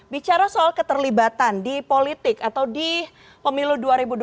bicara soal keterlibatan di politik atau di pemilu dua ribu dua puluh